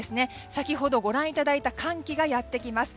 先ほどご覧いただいた寒気がやってきます。